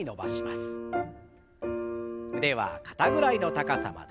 腕は肩ぐらいの高さまで。